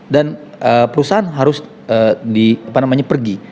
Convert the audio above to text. dan perusahaan harus pergi